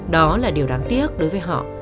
đó là điều đáng tiếc đối với họ